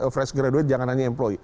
fresh graduate jangan hanya employ